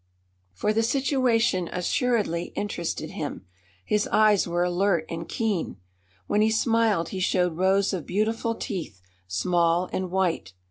For the situation assuredly interested him. His eyes were alert and keen. When he smiled he showed rows of beautiful teeth, small and white.